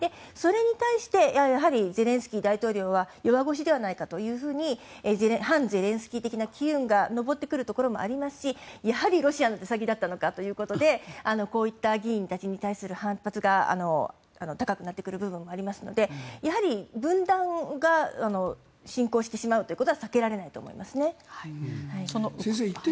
それに対してやはりゼレンスキー大統領は弱腰ではないかと反ゼレンスキー的な機運が上ってくるところもありますしやはり、ロシアの手先だったのかということでこういった議員たちに対する反発が高くなってくる部分もありますのでやはり分断が進行してしまうことは先生、１点いいですか？